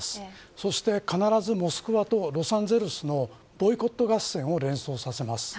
そして必ずモスクワとロサンゼルスのボイコット合戦を連想させます。